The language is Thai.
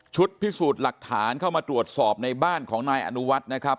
พิสูจน์หลักฐานเข้ามาตรวจสอบในบ้านของนายอนุวัฒน์นะครับ